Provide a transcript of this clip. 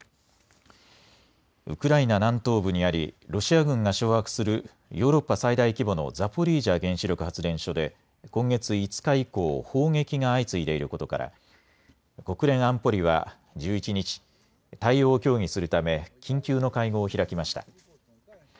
ウクライナ南東部にありロシア軍が掌握するヨーロッパ最大規模のザポリージャ原子力発電所で今月５日以降砲撃が相次いでいることから国連安保理は１１日、対応を協議するため緊急の会合を開きました。